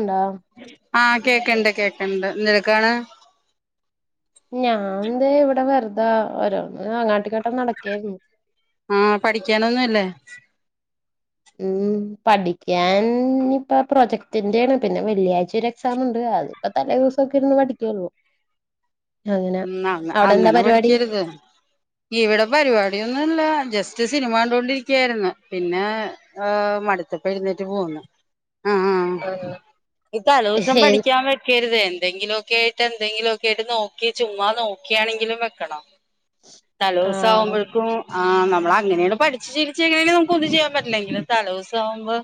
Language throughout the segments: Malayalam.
ണ്ടാവും ആഹ് കേക്ക്ണ്ട് കേക്ക്ണ്ട് എന്തിരക്കാണ്. ഞാൻ ദേ ഇവടെ വെർതാ ഓരോന്ന് അങ്ങാട്ടുങ്ങാട്ട് നട്ക്കായിരുന്നു. ആഹാ പഠിക്കാനൊന്നുല്ലേ? ഉം പഠിക്കാൻഞ്പ്പോ പ്രൊജക്ടിന്റാണ് പിന്നെ വെള്ളിയാഴ്ചൊരു എക്സാമ്ണ്ട് അത് ഇപ്പ തലേ ദിവസൂക്കെയിരുന്ന് പഠിക്കുള്ളോ മ് അ അവിടെ എന്താ അങ്ങനെ പരിപാടി പഠിക്കര്ത് ഇവിടെ പരിപാടിയൊന്നുല്ലാ ജസ്റ്റ് സിനിമ കണ്ടൊണ്ടിരിക്കയായിരുന്നു പിന്നെ ആഹ് മട്ത്തപ്പെയ്ന്നേറ്റ് പോന്ന് ആഹാ ആഹ് ഈ തലോസം ഏത് പഠിക്കാൻ വെച്ച ക്കരുത് എന്തെങ്കിലൊക്കെയായിട്ട് എന്തെങ്കിലൊക്കെയായിട്ട് നോക്കി ചുമ്മാ നോക്കിയാണെങ്കിലും വെക്കണം ആഹ് തലോസാവ്മ്പോഴ്ക്കും ആഹ് നമ്മളങ്ങനേണ് പഠിച്ച് ശീലിച്ച്ങ്ങനെങ്കിലും നമുക്കൊന്നും ചെയ്യാൻ പറ്റില്ല എങ്കിലും തലോസാവുമ്പേ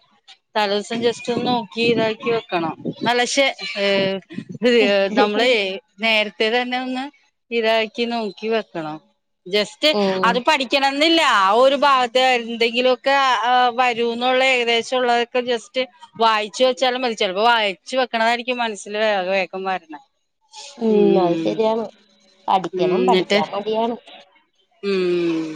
തലേസ്സം ജസ്‌റ്റൊന്ന് നോക്കി ഇതാക്കി വെക്കണം ന്നാലെ പക്ഷേ അ നമ്മളെ നേരത്തെ തന്നെ ഒന്ന് ഇതാക്കി നോക്കി വെക്കണം ജസ്റ്റ് ഉം അത് പഠി ഠിക്കണെന്നില്ല ആ ഒരു ഭാഗത്തെ എന്തെങ്കിലൊക്കെ ആഹ് വരൂന്നുള്ളെ ഏകദേശൊള്ളതൊക്കെ ജസ്റ്റ് വായിച്ചു വെച്ചാലും മതി ചെലപ്പോ വായിച്ചു വെക്കണതായിരിക്കും മനസ്സില് വേ വേഗം വര്ണെ ഉം അത് ശരിയാണ് ഉം പഠിക്കണം എന്നിട്ട് പഠിക്കാൻ മടിയാണ് ഉം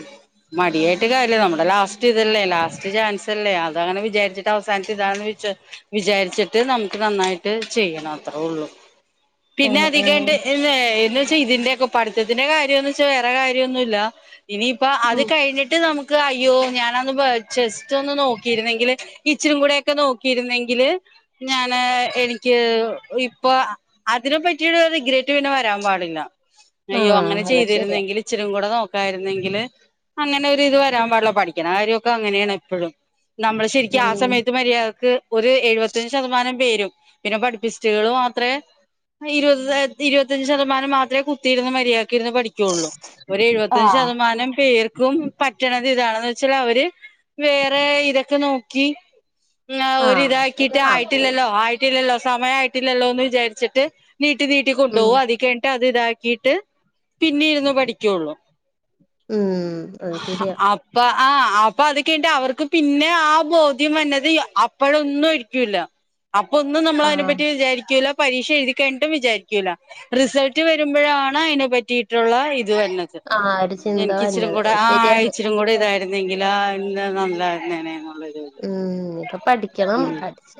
മടിയായിട്ട് കാര്യംയല്ല നമ്മുടെ ലാസ്റ്റ് ഇതല്ലേ ലാസ്റ്റ് ചാൻസ് അല്ലേ അതാണ് വിചാരിച്ച്ട്ട് അവസാനത്തെ ഇതാണെന്ന് വെച്ചോ. വിചാരിച്ചിട്ട് നമുക്ക് നന്നായിട്ട് ചെയ്യണം അത്ര ഒള്ളൂ പിന്നെ ആഹ് അധിക ആഹ് ഇമ്മേ എന്നുവെച്ച് ഇതിന്റെ ഒക്കെ പഠിത്തിന്റെ കാര്യംന്ന് വെച്ചാ വേറെ കാര്യ ഒന്നുല്ല ഇനി അപ്പൊ അത് ഉം കഴിഞ്ഞിട്ട് നമു അയ്യോ ഞാനന്ന് ചെസ്റ്റ് ഒന്ന് നോക്കിയിരുന്നെങ്കില് ഇച്ചിരി കൂടെൊക്കെ നോക്കിയിരുന്നെങ്കില് ഞാന് എനിക്ക് ഇപ്പൊ അതിനെ പറ്റിട്ടൊരു ഗ്ര പിന്നെ വരാൻ പാടില്ല. അയ്യോ അങ്ങനെ ആഹ് അത് ശരിയാ ചെയ്തിരുന്നെങ്കിൽ ഇച്ചിരി കൂടെ നോക്കായിരുന്നെങ്കില് അങ്ങനെ ഒരു ഇത് വരാൻ പാടില്ല പഠിക്ക്ണേ കാര്യ അങ്ങനെയാണ് എപ്പഴും നമ്മള് ശരിക്കും ആ ഉം സമയത്ത് മര്യാദക്ക് ഒരു എഴുപത്തഞ്ച് ശതമാനം പേരും പിന്നെ പഠിപ്പിസ്റ്റുകൾ മാത്രേ [unintelligible] ഇരുപത്തഞ്ച് ശതമാനം മാത്രേ കുത്തിയിരുന്ന് മര്യാദയ്ക്ക് ഇരുന്ന് പഠി ള്ളൂ ഒരു എഴുപത്തഞ്ച് ആഹ് ശതമാനം പേർക്കും പറ്റണത് ഇതാണന്ന് വെച്ചാല് അവര് വേറെ ഇതൊക്കെ നോക്കി അല്ല ആഹ് ഒരിതാക്കിയിട്ട് ശരിയാണ് അവര് ആയിട്ടില്ലല്ലോ ആയി ട്ടില്ലല്ലോ സമയ ആയിട്ടില്ലല്ലോ എന്ന് വിചാരിച്ചിട്ട് നീട്ടി നീട്ടി ഉം കൊണ്ടോകും അത് കഴിഞ്ഞിട്ട് അത് ഇതാ ച്ചിട്ട് പിന്നെ ഇരുന്ന് പഠിക്കൊള്ളൂ ഉം അത് ശരിയാ അ അപ്പ ആ അപ്പൊ അത് കഴിഞ്ഞിട്ട് അവർക്ക് പിന്നെ ആ ബോധ്യം വന്നത് അപ്പഴൊന്നും ഇരിക്കൂല. അപ്പൊ ഒന്നും നമ്മൾ അതിനെ ആഹ് പറ്റി വിചാരിക്കില്ല പരീക്ഷ എഴുതി കഴിഞ്ഞിട്ടും വിചാരി റിസൾട്ട് വരുമ്പോഴാണ് അതിനെ പറ്റിയിട്ടുള്ള ഇത് വന്ന്. ആ ഒരു ചിന്ത എൻക്ക് ഇച്ചിരും വന്നത് കൂടെ അത് ആഹ് ശരിയാണ് അയച്ചി ച്ചുകൂടി ഇതായിരുന്നെങ്കിൽ ആ ഇന്ന് നല്ലായിരുന്നേനേ. ഉം ഇപ്പ പഠിക്കണം പഠിച്ച്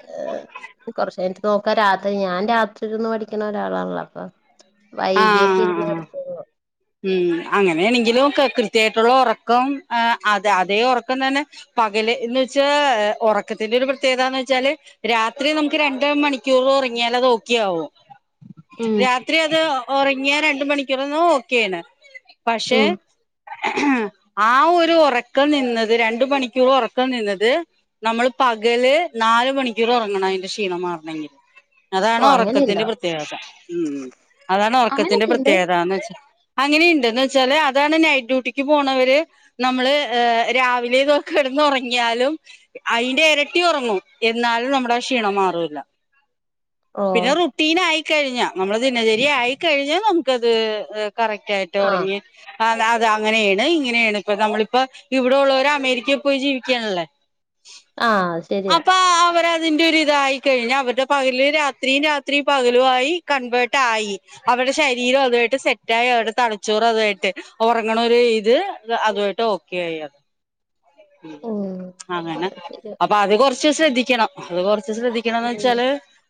കുറച്ചു കഴിഞ്ഞിട്ട് നോക്കാ രാത്രി ഞാൻ രാത്രിന്ന് പഠിക്കണ ഒരാളാണല്ലോ അപ്പൊ ആ വൈകിയക്കിരുന്ന് ആ [unintelligible] ഉം അങ്ങനെണെങ്കിൽ ഓക്കേ കൃത്യായിട്ടുള്ള ഒറക്കം അ അത അതേ ഒറക്കം തന്നെ പകല് എന്ന് വെച്ചാ ഒറക്കത്തിന്റെ ഒരു പ്രത്യേകതാന്ന് വെച്ചാല് രാത്രി നമുക്ക് രണ്ട് മണിക്കൂർ ഒറങ്ങിയാല് അത് ഓക്കെ ആവോ? ഉം രാത്രി അത് ഒറങ്ങിയ രണ്ട് മണിക്കൂർന്ന് ഓക്കേണ്. പക്ഷെ ഉം ആ ഒരു ഒറക്കം നിന്നത് രണ്ട് മണിക്കൂർ ഒറക്കം നിന്നത് നമ്മള് പകല് നാല് മണിക്കൂർ ഒറങ്ങണം അതിന്റെ ക്ഷീണം മാറണങ്കിൽ. ഓ അതാണ് ഒറക്കത്തിന്റെ അങ്ങനെയുണ്ടോ പ്രത്യേകത ഉം അതാണ് ഒറക്കത്തിന്റെ അങ്ങനെയൊക്കെയുണ്ട് പ്രത്യേകതാന്ന് വെച്ചാ അങ്ങനെയുണ്ട് എന്ന് വെച്ചാല് അതാണ് നൈറ്റ് ഡ്യൂട്ടിക്ക് പോണവര് നമ്മള് ഏ രാവിലെ ഒക്കെ കിടന്ന് ഉറങ്ങിയാലും അയിന്റെ എരട്ടി ഒറങ്ങും എന്നാലും നമ്മുടെ ക്ഷീണം മാറൂല. ഓ പിന്നെ റുട്ടീൻ ആയിക്കഴിഞ്ഞാ നമ്മള് ദിനചര്യ ആയിക്കഴിഞ്ഞ് നമുക്കത് കറക്റ്റ് ആയി ആ ട്ടൊറങ്ങി അതേ അതേ അങ്ങനെണ് ഇങ്ങനെണ് ഇപ്പ നമ്മളിപ്പോ ഇവിടെ ഉള്ളവരെ അമേരിക്കയിൽ പോയി ജീവിക്ക്യണല്ലേ. ആഹ് ശര്യാ. അതിന്റെ ഒരുതായി കഴിഞ്ഞ അവരുടെ പകല് രാത്രി രാത്രി പകലും ആയി കൺവേർട്ട ആയി. അവരുടെ ശരീരം അതുയിട്ട് സെറ്റായി അവരുടെ തലച്ചോറ് അതുയിട്ട് ഒറങ്ങ്ണ ഒരു ഇത് അതുയിട്ട് ഓ [unintelligible] ഉം അങ്ങനെ അത് ശരിയാ അപ്പൊ അത് കൊർച്ച് ശ്രദ്ധിക്കണം അത് കൊർച്ച് ശ്രദ്ധി എന്നെന്ന് ഉം വെച്ചാല്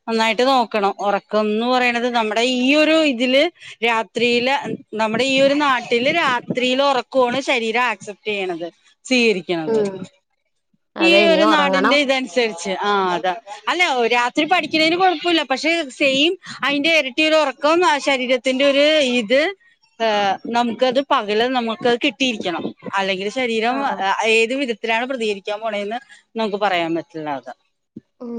നന്നായിട്ട് നോക്കണം. ഒറക്കംന്ന് പറിണത് നമ്മുടെ ഈ ഒരു ഇതില് രാത്രിയില് നമ്മുടെ ഈ ഒരു നാട്ടില് രാത്രിയില ഒറക്ക്, ഊണ് ശരീരം അസെപ്റ്റ് ചെയ്യ്ണത്. സ്വീകരിക്കണത് ഉം ഈ അതെ ഇനി ഒരു ഒറങ്ങണം നാടിന്റെ ഇതനുസരിച്ച് ആഹ് അതാ അല്ല രാത്രി പഠിക്ക്ണേന് കൊഴപ്പല്ല പക്ഷെ സെയിം അയിന്റെ എരട്ടി ഒരു ഒറക്കം ആ ശരീരത്തിന്റെ ഒരു ഇത്. ഹേ നമുക്കത് പകൽ നമുക്ക് കിട്ടിയിരിക്കണം. അല്ലെങ്കിൽ ആ ശരീരം അ ഏത് വിധത്തിലാണ് പ്രതികരിക്കാൻ പോണെന്ന് നമുക്ക് പറയാൻ പറ്റില്ല താ. ഉം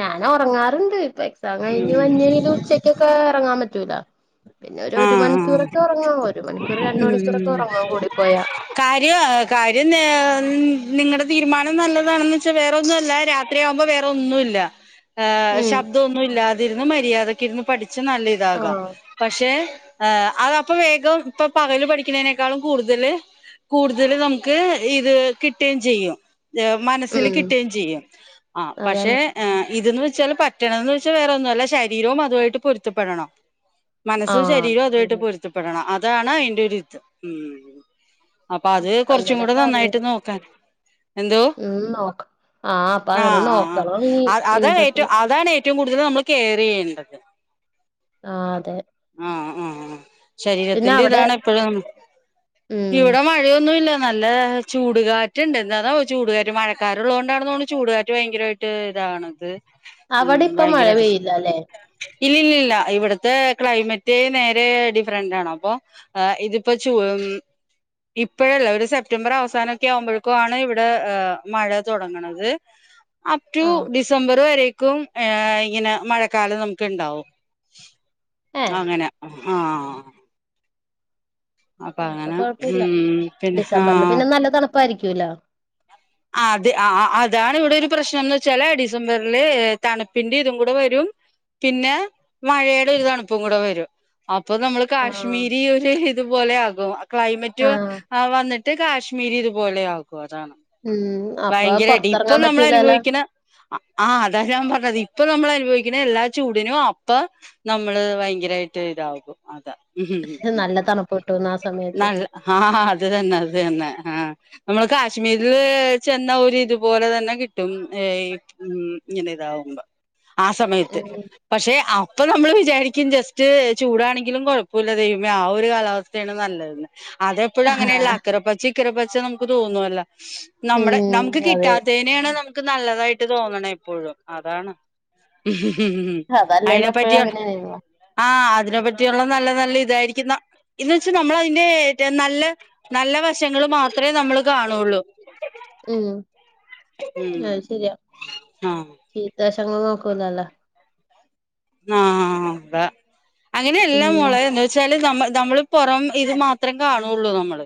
ഞാനൊറങ്ങാറുണ്ട് ഇപ്പൊ എക്സാം കഴിഞ്ഞ് ഉം വന്നതേ ഉച്ചക്കൊക്കെ ഒറങ്ങാൻ പറ്റൂല പിന്നെ ഒരു ആ ഒരു മണിക്കൂറൊക്കെ ആ ഒറങ്ങാം ഒരു മണിക്കൂർ രണ്ട് മണിക്കൂറൊക്കെ ഉം ഒറങ്ങാം കൂടിപ്പോയാ കാര്യം കാര്യം നിങ്ങടെ തീരുമാനം നല്ലതാണെന്ന് വെച്ചാൽ വേറൊന്നും അല്ല രാത് രാത്രിയാവുമ്പോ വേറെ ഒന്നുയില്ല ആഹ് ഉം ശബ്ദവൊന്നും ഇല്ലാതിരുന്ന് മര്യാദക്കിരുന്ന് പഠിച്ച നല്ല ഇതാകാം ആഹ് പക്ഷെ അതാപ്പൊ വേഗം ഇപ്പൊ പകല് പഠിക്കുന്നനേക്കാളും കൂടുതല്- കൂടുതല് നമുക്ക് ഇത് കിട്ടിയേം ചെയ്യും മനസ്സില് ഉം കിട്ടിയേം ചെയ്യും ആഹ് അതാണ് പക്ഷെ- ആഹ് ഇതന്ന് വെച്ചാല് പറ്റണന്ന് വെച്ചാൽ വേറെ ഒന്നുല്ല ശരീരവും അതുമായിട്ട് പൊരുത്തപ്പെടണം മനസ്സും ആഹ് ശരീരോം അതുവായിട്ട് ശരി പൊരുത്തപ്പെടണം അതാണ് അതിന്റെ ഒരു രീതി അപ്പൊ അത് കൊറച്ചും കൂടെ അങ്ങനൊക്കെ നന്നായിട്ട് അറിയണം നോക്കാൻ- എന്തോ? ഉം നോക്കാം ആഹ് അപ്പൊ ആ അങ്ങനെ നോക്കണം ഇനി ആ ഇനി അതാണ് തൊട്ട് ഏറ്റവും അതാണ് ഏറ്റ റ്റവും കൂടുതൽ നമ്മൾ കെയറെയ്യേണ്ടല്ല് ആഹ് അതെ ആഹ് ആഹ് പിന്നെ ശരീരത്തിന്റെ അവിടെ ഇതാണ് എപ്പഴും ഉം ഇവിടെ മഴ യൊന്നുല്ല നല്ല ചൂടുകാറ്റ്ണ്ട് എന്താന്നാവോ ചൂടുകാറ്റ് മഴക്കാറുള്ളോണ്ടാണ തോണത് ചൂടുകാറ്റ് ഭയങ്കരായിട്ട് ട്ട് ഇതാണത്. അവിടെ ഇപ്പ മഴ പെയ്യില്ലല്ലേ ഇല്ലില്ലല്ല ഇവിടുത്തെ ക്ലൈമറ്റ് നേരെ ഡിഫറന്റ് ആണ്. അപ്പൊ ആഹ് ഇതിപ്പോ ചൂ ഉം ഇപ്പഴല്ല ഒരു സെപ്റ്റംബർ അവസാനൊക്കെ ആവുമ്പോയ്ക്കാണ് ഇവിടെ ഏഹ് മഴ തുടങ്ങണത് അപ് ടു ആഹ് ഡിസംബർ വരേക്കും ഏഹ് ഇങ്ങനെ മഴക്കാലം നമുക്ക്ണ്ടാവും. ഏഹ് അങ്ങനെ ആഹ് അപ്പൊ പ്പൊ അങ്ങനെ കൊഴപ്പൂല്ല ഉം പിന്നെ ഡിസംബറില് ആഹ് പിന്നെ നല്ല തണുപ്പായിരിക്കൂല്ലോ അതി ആഹ് അതാണ് ഇവിടെ ഒരു പ്രശ്നംന്ന് വെച്ചാല് ഡിസംബറില് തണുപ്പിന്റെ ഇതും കൂടെ വരും പിന്നെ മഴടെ ഒരു തണുപ്പും കൂടെ വരും അപ്പൊ നമ്മൾ ആഹ് കാശ്മീരി ഒരു ഇതുപോലെ ആകും ക്ലൈമറ്റ് വ ആഹ് അഹ് വന്നിട്ട് ട്ട് കാശ്മീരി ഇതുപോലെ ആകും അതാണ്. ഉം അപ്പൊ ഭയങ്കര ദിപ്പൊ പൊറത്തിറങ്ങാൻ നമ്മള പറ്റൂലല്ലോ അനുഭവിക്കണ ആഹ് അതാണ് ഞാൻ പർഞ്ഞത് ഇപ്പൊ നമ്മളനുഭവിക്കുന്ന എല്ലാ ചൂടിനും അപ്പ നമ്മള് ഭയങ്കരായിട്ട് ഇതാകും അതാ എഹ് നല്ല തണുപ്പ് ട്ടുന്നെ ആ സമയത്ത് ആഹ് അത് തന്നെ അത് തന്നെ ആഹ് നമ്മള് കാശ്മീരില് ചെന്ന ഒരു ഇതുപോലെ തന്നെ കിട്ടും ഏഹ് ഉം ങ്ങനെ താവുമ്പോ ആ സമയത്ത് ഉം പക്ഷെ അപ്പം നമ്മള് വിചാരിക്കും ജസ്റ്റ് ചൂടാണെങ്കിലും കുഴപ്പല്ല ദൈവമേ ആ ഒരു കാലാവസ്ഥയാണ് നല്ലഹ് ന്ന് അതെപ്പോഴും അങ്ങനെയുള്ള ആഹ് അക്കരപ്പച്ച ഇക്കരപ്പച്ച നമുക്ക് തോന്നുവല്ലോ? നമ്മുടെ നമ്ക്ക് ഉം അതെ കിട്ടാത്തേയ്നെയാണ് നമുക്ക് നല്ലതായിട്ട് തോന്നണ എപ്പോഴും അതാണ് അതല്ലേലും അയിനെ എപ്പഴും പറ്റിയ അങ്ങനെയാണല്ലോ ആഹ് അതിനെ പറ്റിയുള്ള നല്ല നല്ല ഇതായിരിക്കുന്ന ഇത് വെച് നമ്മളയ്ന്റെ നല്ല നല്ല വശങ്ങള് മാത്രേ നമ്മള് കാണുള്ളൂ ഉം ഉം അഹ് ശരിയാ ആഹ് ചീത്തശങ്ങള് നോക്കൂലല്ല ആഹ് ആ അങ്ങനെയല്ലാ ഉം മോളേ? ച്ചാല് നമ്മ നമ്മള് പുറം ഇത് മാത്രം കാണുള്ളൂ നമ്മള്.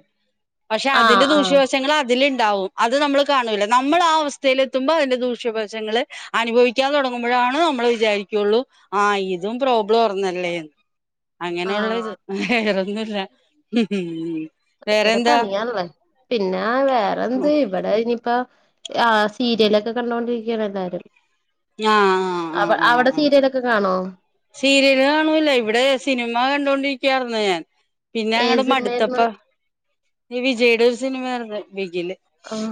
പക്ഷെ ആഹ് അതിന്റെ ആഹ് ദൂഷ്യവശ ച്ചങ്ങള് അതില്ണ്ടാവു അത് നമ്മള് കാണൂല്ല. നമ്മള് ആ അവസ്ഥയിലെത്തുമ്പോ അതിന്റെ ദൂഷ്യവശങ്ങള് അനുഭവിക്കാൻ തുടങ്ങുമ്പോഴാണ് നമ്മൾ വിചാരിക്കുള്ളൂ ആഹ് ഇതും പ്രോബ്ലം ഓർന്നല്ലേന്ന് അങ്ങനെയുള്ള ഇത് ആഹ് വേറൊന്നുല്ല ഉം വേറെന്താ ഭയങ്കരപണിയാണിബളെ പിന്നാം വേറെന്ത് ഇവിടെ ഇനിയിപ്പൊ ആഹ് സീരിലൊക്കെ കണ്ടൊണ്ടിരികാണ് എല്ലാരും ആഹ് ആഹ് അവ ആഹ് ആഹ് അവിടെ ആഹ് സീരിലൊക്കെ കാണുവോ സീരിയല് കാണൂല ഇവിടെ സിനിമ കണ്ടൊണ്ടിരിക്കാരുന്നു ഞാൻ പിന്നെ ഏത് അണ്ട് മടുത്തപ്പ സിനിമയായിരുന്നു ഈ വിജയുടെ ഒരു സിനിമരുന്നു ബിഗില് ആഹ്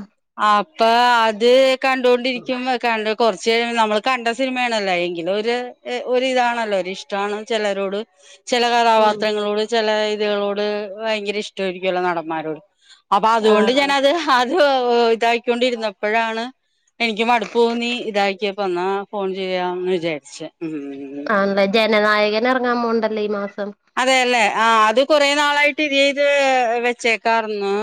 അപ്പൊ അത് കണ്ടൊണ്ടിരികുബോ കണ്ട് കൊറച്ച് നമ്മൾ കണ്ട സിനിമേ ണല്ലോ എങ്കിലൊരു ഒരു ഇതാണല്ലോ ഒരിഷ് ഇഷ്ടണ് ചെലരോട്ഹ് ചെല ഉം കഥാപാത്രങ്ങളോട് ചെല ഇരു കളോട് വയങ്കെര ഇഷ്ടയിരിക്കുല്ലോ നടന്മാരോട് അപ്പൊ അതുകൊണ്ട് ആഹ് ഞനത് അത് ഹൊ ഹൊ ഇതായിക്കൊണ്ടിരിന്നപ്പഴാണ് എനിക്കിമടുപ്പൊന്നി ഇതാക്കിയപ്പൊ എന്നാ ഫോൺ ചെയ്യാംന്ന് വിചാരിച് [unintelligible] [unintelligible] ജനനായകനെറങ്ങാൻ പോണ്ടല്ല ഈ മാസം അതെയല്ലേ ആഹ് അത് കൊറേ നാളായിട്ട് ഇരീത് വെച്ചേക്കാറന്ന്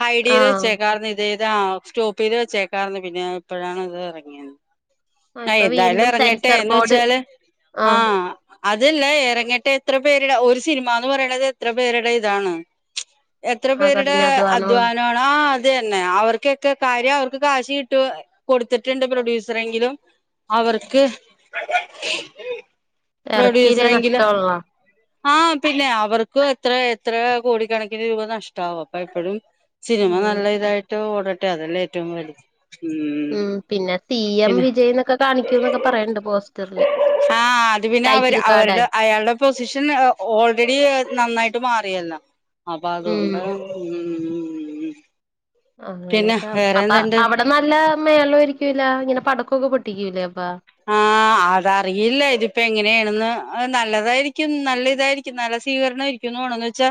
ഹൈഡ് ഏയ്ത് ആഹ് വെച്ചേക്കാർന്ന് ഇത് ഇത് ആം സ്റ്റോപ്പ് ചെയ്ത് വെച്ചേക്കാരുന്നു പിന്നെ ആ ഇപ്പോഴാണ് ഇത് ഇറങ്ങിയത് ആഹ് ഇപ്പൊ ഏന്തായാലും വീണ്ടും എറങ്ങട്ടെ സെൻസർ എന്നു ബോർഡ് വെച്ചാല് ആഹ് അതലെ എറങ്ങട്ടെ എത്ര പേരുടെ ഒരു സിനിമാന്ന് പറണത് എത്ര പേരുടെ ഇതാണ് എത്ര ആ പേരുടെ കഠിനാധ്വാനവും അധ്വാനണ് ആഹ് അതന്നെ അവർക്കൊക്കെ കാര്യം അവർക്ക് കാശ് കിട്ടു കൊടുത്തിട്ടുണ്ട് പ്രൊഡ്യൂസറെങ്കിലും അവർക്ക് ഇറക്കിയില്ലേ പ്രൊഡ്യൂസറെങ്കിലൊ നഷ്ടമുള്ളതാ ആഹ് പിന്നെ അവർക്കും എത്ര എത്രോ കോടിക്കണക്കിന് രൂപ നഷ്ട്ടാവും അപ്പ എപ്പോഴും സിച്നിമ ഉം നല്ലോതായിട്ട് ഓടട്ടെ അതെല്ലേ ഏറ്റവും വല്ത് ഉം പിന്നെ തീ എം വിജയ്നെക്കെ കാണിക്കൂന്നൊക്കെ പറയണ്ട് പോസ്റ്ററില് ആ അത് പിന്നെ അവര് ടൈറ്റിൽ കാഡ അവരുടെ അയാളുടെ പൊസിഷൻ ഓൾറെഡി നന്നായിട്ട് മാറിയല്ലോ അപ്പം ഉം അതുകൊണ്ടാണ് ഉം പിന്നെ അങ്ങനെയൊക്കെ അർ വേറെ അപ്പ എന്തുണ്ട് അവിടെ നല്ല മേളരികൊല്ലോ ഇങ്ങനെ പടക്കക്കെ പൊട്ടിക്കൂലേ അപ്പാ ആഹ് അ അതറിയില്ല ഇതിപ്പോ എങ്ങനെയാണെന്ന് നല്ലതായിരിക്കും നല്ലി ഇതായിരിക്കും നല്ല സ്വീകരണയിരിക്കും മൊണന്ന് വെച്ചാ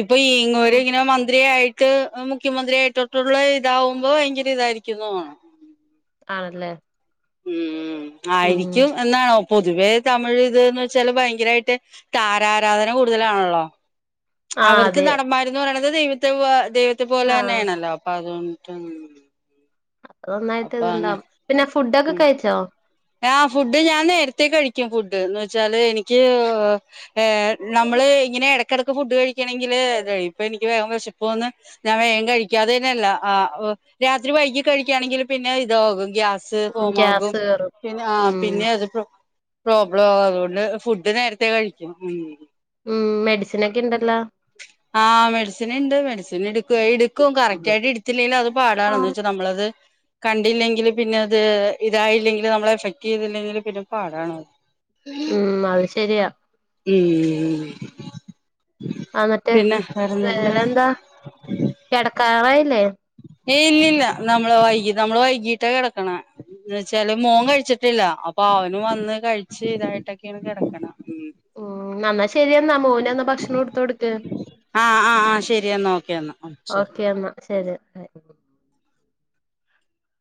ഇപ്പൊ ഇങ്ങൊര് ഉം. ഇങ്ങനെ മന്ത്രിയായി ഇട്ട് മുഖ്യമന്ത്രിയായിട്ടോട്ടുള്ള ഇതാവുമ്പോ ഭയങ്കര ഇതായിരിക്കുന്നു തോന്നണ് ആണെല്ലേ ഉം ആയിരിക്കും എന്നാണോ പൊതുവേ തമിഴ് ഇത് എന്ന് വച്ചാല് ഭയങ്കരായിട്ട് താരാരാധന കൂടുതലാണല്ലോ ആ അവർക്ക് അതെ നടമാര് എന്ന് പറണത് ദൈവത്തെ പോ ദൈവത്തെ പോലെ ആ തന്നെയാണല്ലോ അപ്പൊ അതുകൊണ്ട് ട്ടം അതോന്നായിട്ടിത്ണ്ടാബു പിന്നെ ഫുഡൊക്കെ കഴിച്ചോ ആഹ് ഫുഡ് ഞാൻ നേരത്തെ കഴിക്കും ഫുഡ് എന്ന് വെച്ചാല് എനിക്ക് ഏ ഏ നമ്മള് ഇങ്ങനെ എടക്ക് എടക്ക് ഫുഡ് കഴിക്കണെങ്കില് ഇപ്പ എനിക്ക് വേഗം വെശപ്പ് തോന്നുന്ന് ഞാൻ വേഗകഴിക്കാതെന്നെല്ല ആഹ് രാത്രി വൈകി കഴിക്കുകയാണെങ്കിൽ പിന്നെ ഇത്കും ഗ്യാസ് സ് ഉം, ഫോമാകു ഗ്യാസ് കേറും ആഹ് ഉം പിന്നെ അത് പ്രോബ്ലം ആവു അതോണ്ട് ഫുഡ് നേരത്തെ കഴിക്കും ഉം ഉം മെഡിസിനൊക്കെയിണ്ടല്ലോ ആഹ് മെഡിസിൻണ്ട് മെഡിസിൻ ടുകൊ ഇടുക്കും കറക്റ്റായിട്ട് ഇതില്ലേൽ അത് പാടാണെന്ന് വെച്ച് നമ്മളത്. കണ്ടില്ലെങ്കിൽ പിന്നെ അത് ഇതായില്ലെങ്കില് നമ്മളെ എഫക്ട് യ്തില്ലെങ്കില് പിന്നെ പാടാണത് ഉം അത് ശരിയാ ഉം അന്നട്ട് പിന്നെ വേറെന്തുണ്ട് വേറെ എന്താ കെടക്കാറായില്ലേ ഏ ഇല്ലല്ല നമ്മള് വൈകി നമ്മള് വൈകീട്ടാ കെടക്കണെ ന്ന് വെച്ചാല് മോൻ കഴിച്ചിട്ടില്ല അപ്പൊ അവനും വന്ന് കഴിച്ച് ഇതായിട്ടൊക്കെണ് കെടക്കണെ ഉം ന്നന്ന ശെരിയെന്നാ മോന് ഞാൻ ന്നാ ഭക്ഷണംഎടുത്ത് കൊടുക്ക് ആഹ് ആഹ് ആഹ് ശരി എന്നാ ഓക്കെ എന്നാ ശരി ഓക്കെ ന്നാ ശെരി